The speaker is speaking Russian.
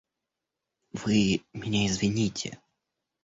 Вы меня извините.